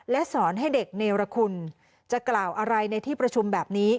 และสอนให้เด็กเนรคุณจะกล่าวอะไรในที่ประชุมแบบนี้